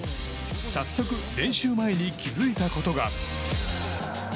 早速、練習前に気づいたことが。